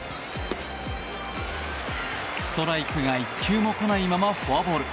ストライクが１球も来ないままフォアボール。